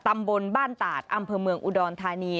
ตำบลบ้านตาดอำเภอเมืองอุดรธานี